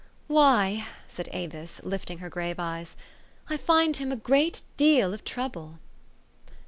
Why," said Avis, lifting her grave eyes, " I find him a great deal of trouble!